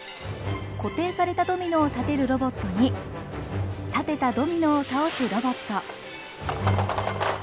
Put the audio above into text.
固定されたドミノを立てるロボットに立てたドミノを倒すロボット。